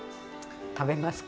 食べますか？